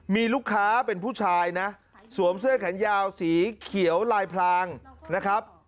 มีลูกค้าเป็นผู้ชายนะสวมเสื้อแขนยาวสีเขียวลายพลางนะครับ